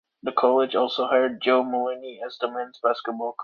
The college also hired Joe Mullaney as the men's basketball coach.